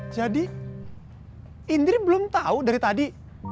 jadi indri belum tahu dari tadi